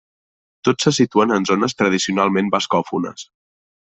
Tots se situen en zones tradicionalment bascòfones.